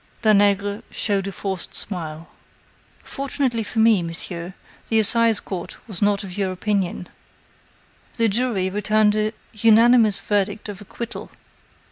Danègre showed a forced smile. "Fortunately for me, monsieur, the Assizecourt was not of your opinion. The jury returned an unanimous verdict of acquittal.